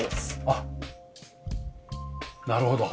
あっなるほど。